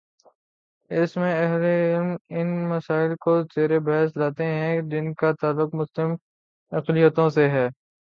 اس میں اہل علم ان مسائل کو زیر بحث لاتے ہیں جن کا تعلق مسلم اقلیتوں سے ہے۔